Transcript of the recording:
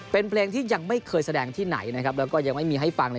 เป็นเพลงที่ยังไม่เคยแสดงที่ไหนนะครับแล้วก็ยังไม่มีให้ฟังเลย